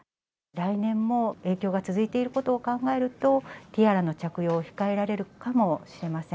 来年も影響が続いていることを考えると、ティアラの着用を控えられるかもしれません。